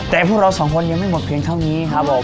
แต่พวกเราสองคนยังไม่หมดเพียงเท่านี้ครับผม